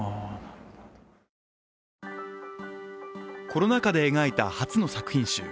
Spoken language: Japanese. コロナ禍で描いた初の作品集。